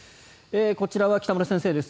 こちらは北村先生です。